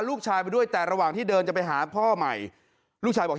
ลูกชายไปด้วยแต่ระหว่างที่เดินจะไปหาพ่อใหม่ลูกชายบอก